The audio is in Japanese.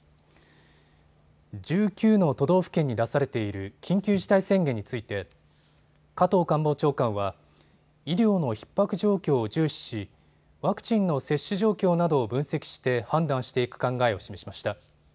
１９の都道府県に出されている緊急事態宣言について加藤官房長官は医療のひっ迫状況を重視し、ワクチンの接種状況などを分析して判断していく考えを示しました。